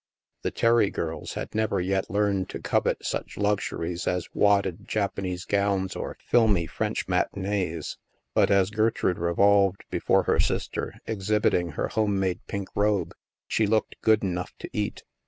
The Terry girls had never yet learned to covet such luxuries as wadded Japanese gowns or filmy French matinees; but as Gertrude revolved before her sister, exhibiting her homemade pink robe, she looked good enough to eat.